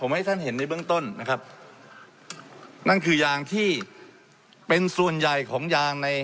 ให้ท่านเห็นในเบื้องต้นนะครับนั่นคือยางที่เป็นส่วนใหญ่ของยางใน